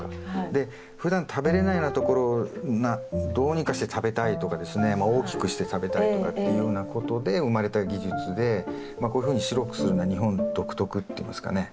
でふだん食べれないようなところをどうにかして食べたいとかですね大きくして食べたいとかっていうようなことで生まれた技術でこういうふうに白くするのは日本独特っていいますかね。